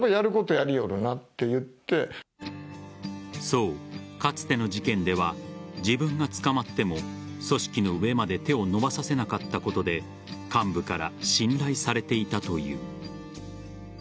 そう、かつての事件では自分が捕まっても組織の上まで手を伸ばさせなかったことで幹部から信頼されていたという。